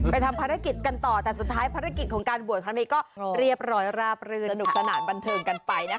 ไปทำภารกิจกันต่อแต่สุดท้ายภารกิจของการบวชครั้งนี้ก็เรียบร้อยราบรื่นค่ะ